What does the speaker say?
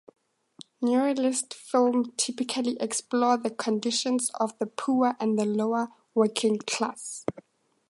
Neorealist films typically explore the conditions of the poor and the lower working class.